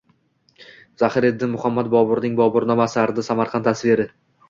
Zahiriddin Muhammad Boburning “Boburnoma” asarida Samarqand tasviri